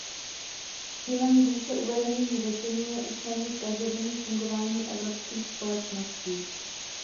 Cílem výše uvedených řešení je usnadnit každodenní fungování evropských společností.